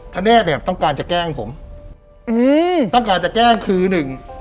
ธเนธเนี่ยต้องการจะแกล้งผมอืมต้องการจะแกล้งคือหนึ่ง